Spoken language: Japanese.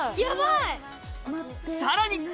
さらに！